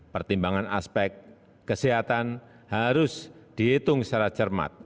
pertimbangan aspek kesehatan harus dihitung secara cermat